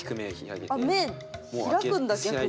あ目開くんだ逆に。